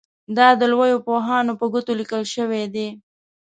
دا د لویو پوهانو په ګوتو لیکل شوي دي.